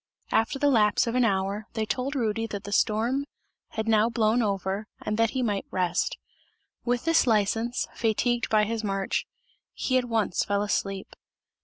After the lapse of an hour, they told Rudy that the storm had now blown over and that he might rest; with this license, fatigued by his march, he at once fell asleep.